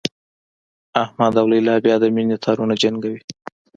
احمد او لیلا بیا د مینې تارونه جنګوي